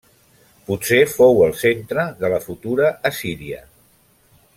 Potser fou el centre de la futura Assíria.